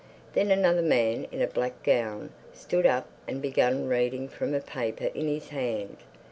Then another man in a black gown stood up and began reading from a paper in his hand.